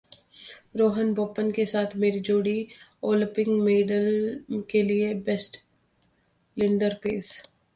रोहन बोपन्ना के साथ मेरी जोड़ी ओलंपिक मेडल के लिए बेस्ट: लिएंडर पेस